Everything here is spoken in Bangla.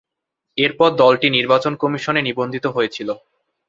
এরপরে দলটি নির্বাচন কমিশনে নিবন্ধিত হয়েছিল।